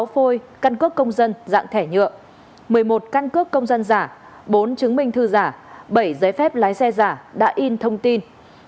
một mươi phôi căn cước công dân dạng thẻ nhựa một mươi một căn cước công dân giả bốn chứng minh thư giả bảy giấy phép lái xe giả đã in thông tin